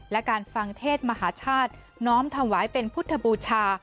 และการฟังเทศมหาชาติน้อมถวายเป็นพุทธบูชา